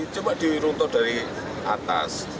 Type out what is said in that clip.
coba diruntuh dari atas